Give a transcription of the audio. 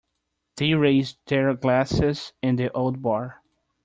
They raised their glasses in the old bar.